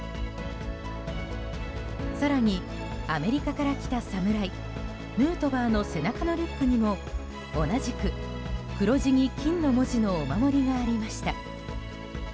更にアメリカから来た侍ヌートバーの背中のリュックにも同じく黒地に金の文字のお守りがありました。